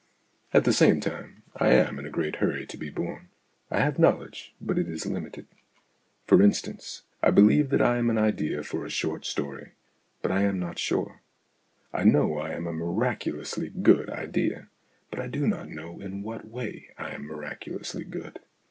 At the same time, I am in a great hurry to be born. I have knowledge, but it is limited. For THE AUTOBIOGRAPHY OF AN IDEA 49 instance, I believe that I am an idea for a short story, but I am not sure. I know I am a miracu lously good idea, but I do not know in what way I am miraculously good.